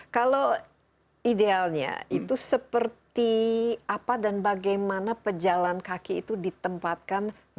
kalau idealnya itu seperti apa dan bagaimana pejalan kaki itu ditempatkan